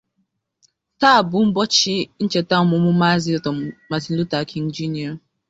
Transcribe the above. Taa bu ubochi nchete omumu Mazi Dr. Martin Luther King Jr